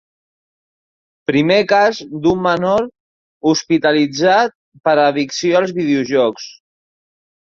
Primer cas d’un menor hospitalitzat per addicció als videojocs.